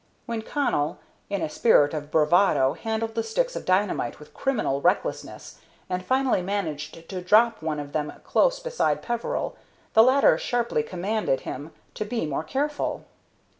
When Connell, in a spirit of bravado, handled the sticks of dynamite with criminal recklessness, and finally managed to drop one of them close beside Peveril, the latter sharply commanded him to be more careful.